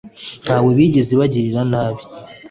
ntawe bigeze bagirira nabi